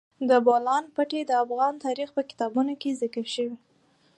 د بولان پټي د افغان تاریخ په کتابونو کې ذکر شوی دي.